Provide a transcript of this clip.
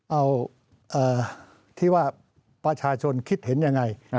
เอาที่ว่าประชาชนคิดเห็นยังไง